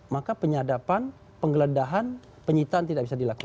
maka penyadapan penggeledahan penyitaan tidak bisa dilakukan